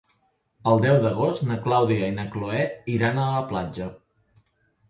El deu d'agost na Clàudia i na Cloè iran a la platja.